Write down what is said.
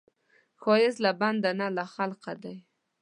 ښایست له بنده نه، له خالقه دی